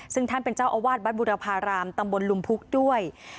ซึ่งท่านเป็นเจ้าอาวาสวัดบุรพารามตำบลลุมพุกด้วย